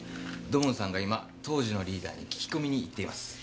土門さんが今当時のリーダーに聞き込みに行っています。